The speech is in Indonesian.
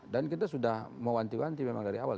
dan kita sudah mewanti wanti memang dari awal